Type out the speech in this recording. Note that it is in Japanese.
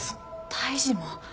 胎児も！？